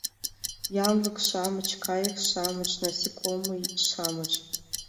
— Янлык-шамыч, кайык-шамыч, насекомый-шамыч!